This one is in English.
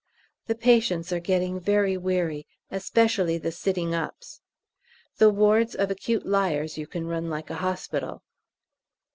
The patients are getting very weary, especially the sitting ups. The wards of acute liers you can run like a hospital.